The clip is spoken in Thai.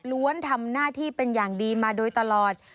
ทำหน้าที่เป็นอย่างดีมาโดยตลอด